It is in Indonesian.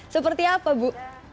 seperti apa ibu